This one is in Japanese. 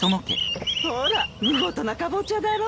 ほら見事なカボチャだろ。